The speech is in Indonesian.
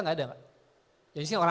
gak ada gak